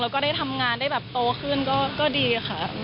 แล้วก็ได้ทำงานได้แบบโตขึ้นก็ดีค่ะ